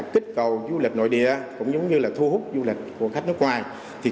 kích cầu du lịch nội địa cũng như thu hút du lịch của khách nước ngoài